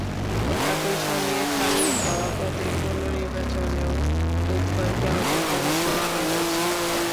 একই সঙ্গে খালি হওয়া পদের পুনর্নির্বাচনেও লুৎফুরকে অযোগ্য ঘোষণা করা হয়েছে।